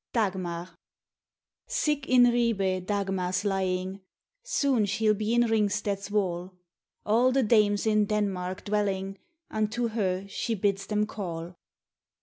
DAGMAR Sick in Ribe Dagmar's lying, Soon she'll be in Ringsted's wall; All the Dames in Denmark dwelling Unto her she bids them call.